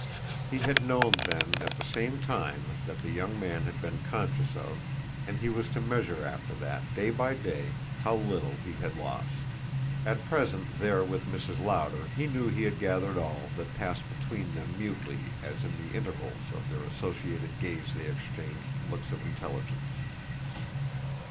He had known then at the same time what the young man had been conscious of, and he was to measure after that, day by day, how little he had lost. At present there with Mrs. Lowder he knew he had gathered all that passed between them mutely as in the intervals of their associated gaze they exchanged looks of intelligence.